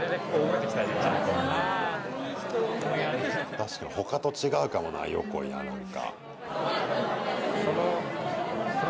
確かに、他と違うかもなヨコイは何か。